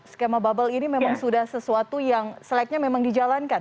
skema bubble ini memang sudah sesuatu yang seleknya memang dijalankan